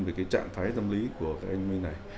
về cái trạng thái tâm lý của các anh minh này